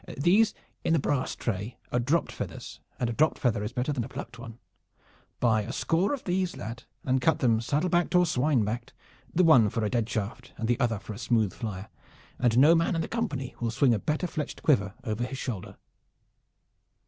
These in the brass tray are dropped feathers, and a dropped feather is better than a plucked one. Buy a score of these, lad, and cut them saddle backed or swine backed, the one for a dead shaft and the other for a smooth flyer, and no man in the company will swing a better fletched quiver over his shoulder."